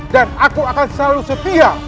dan aku akan selalu setia